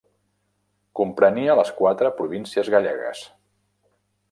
Comprenia les quatre províncies gallegues: